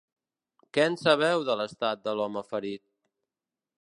Què en sabeu de l’estat de l’home ferit?